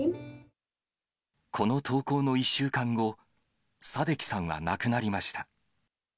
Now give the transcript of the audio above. この投稿の１週間後、サデキさんは亡くなりました。